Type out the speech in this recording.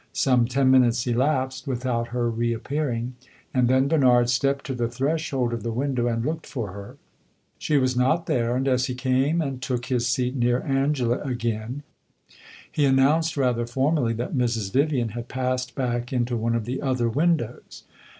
Some ten minutes elapsed without her re appearing, and then Bernard stepped to the threshold of the window and looked for her. She was not there, and as he came and took his seat near Angela again, he announced, rather formally, that Mrs. Vivian had passed back into one of the other windows.